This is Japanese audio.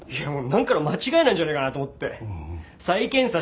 なんかの間違いなんじゃねえかなと思って再検査したら。